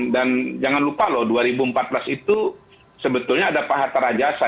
jangan lupa loh dua ribu empat belas itu sebetulnya ada pak hatta rajasa